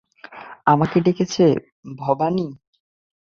আমাকে ডেকেছ, ভবানী?